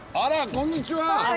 こんにちは！